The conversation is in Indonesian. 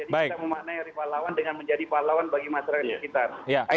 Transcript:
jadi kita memaknai dari pahlawan dengan menjadi pahlawan bagi masyarakat di sekitar